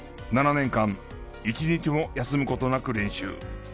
７年間１日も休む事なく練習。